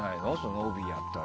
帯やったら。